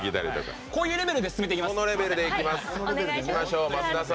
こういうレベルで進めていきます。